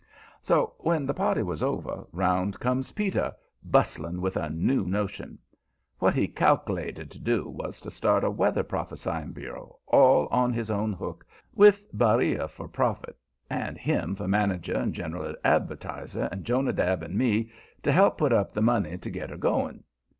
So, when the party was over, 'round comes Peter, busting with a new notion. What he cal'lated to do was to start a weather prophesying bureau all on his own hook, with Beriah for prophet, and him for manager and general advertiser, and Jonadab and me to help put up the money to get her going.